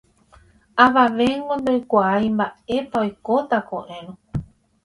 Avavéngo ndoikuaái mba'épa oikóta ko'ẽrõ.